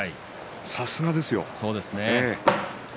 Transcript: さすがですよ。